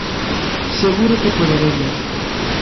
Seguro que poderemos.